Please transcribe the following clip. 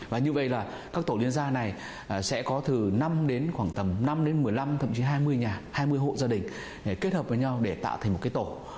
và như vậy là các tổ liên gia này sẽ có từ năm đến khoảng tầm năm đến một mươi năm thậm chí hai mươi nhà hai mươi hộ gia đình kết hợp với nhau để tạo thành một cái tổ